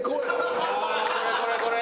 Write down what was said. ああこれこれこれ！